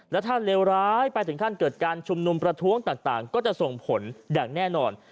และถ้าเลวร้ายไปถึงขั้นเกิดการชุมนุมประท้วงต่างก็จะส่งผลอย่างแน่นอน